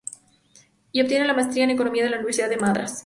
Y obtiene la maestría en Economía de la Universidad de Madras.